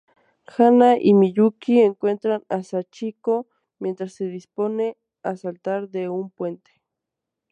Hana y Miyuki encuentran a Sachiko mientras se dispone a saltar de un puente.